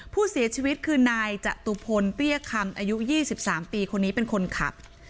ผู้เสียชีวิตคือนายจตุพลเปี้ยคำอายุ๒๓ปีคนนี้เป็นคนขับ